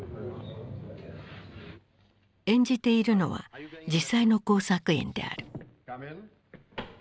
演じているのは実際の工作員である。